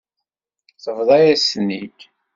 Tebḍa-yas-ten-id.